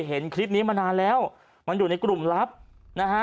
เห็นคลิปนี้มานานแล้วมันอยู่ในกลุ่มลับนะฮะ